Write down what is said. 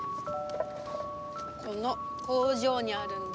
この工場にあるんだ。